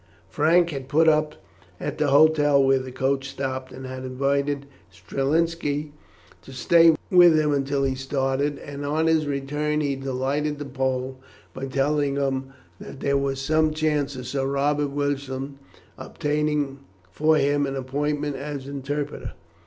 Frank had put up at the hotel where the coach stopped, and had invited Strelinski to stay there with him until he started; and on his return he delighted the Pole by telling him that there was some chance of Sir Robert Wilson obtaining for him an appointment as interpreter.